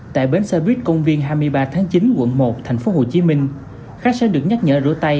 tại bến xe buýt công viên hai mươi ba tháng chín quận một tp hcm khách sẽ được nhắc nhở rửa tay